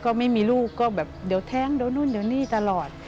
ก็ไม่มีลูกก็แบบเดี๋ยวแท้งในตลอด